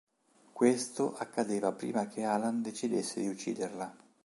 Questo accadeva prima che Alan decidesse di ucciderla.